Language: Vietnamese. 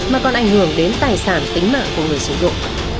mà còn ảnh hưởng đến tài sản tính mạng của người sử dụng